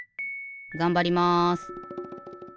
がんばります！